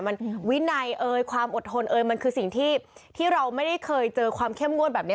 มันวินัยเอ่ยความอดทนเอยมันคือสิ่งที่ที่เราไม่ได้เคยเจอความเข้มงวดแบบนี้